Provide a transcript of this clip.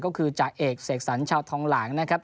ก็คือจ่าเอกเสกสรรชาวทองหลางนะครับ